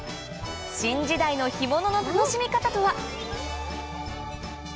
新時代の干物の楽しみ方とは？